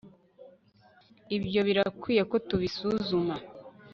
ibyo birakwiye ko tubisuzuma